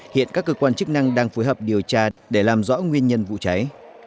hiện các cơ quan chức năng đang phối hợp điều tra để làm rõ nguyên nhân vụ cháy